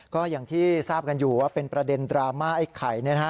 ก็อย่างที่ทราบกันอยู่ว่าเป็นประเด็นดราม่าไอ้ไข่